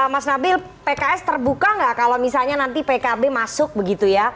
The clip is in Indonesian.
mas nabil pks terbuka nggak kalau misalnya nanti pkb masuk begitu ya